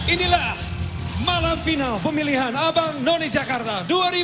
inilah malam final pemilihan abang none jakarta dua ribu dua puluh